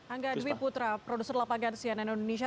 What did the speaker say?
angga dwi putra produser lapa gansian indonesia